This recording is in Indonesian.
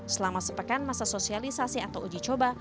selama sepekan masa sosialisasi atau uji coba